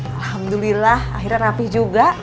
alhamdulillah akhirnya rapih juga